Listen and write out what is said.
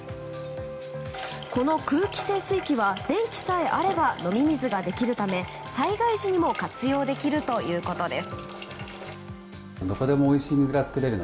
この空気製水機は電気さえあれば飲み水ができるため災害時にも活用できるということです。